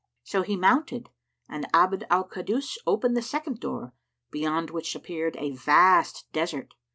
So he mounted and Abd al Kaddus opened the second door, beyond which appeared a vast desert.